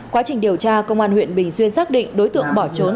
quá trình điều tra công an huyện bình xuyên xác định đối tượng bỏ trốn